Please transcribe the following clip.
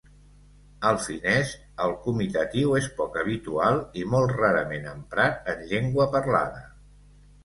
Al finès, el comitatiu és poc habitual i molt rarament emprat en llengua parlada.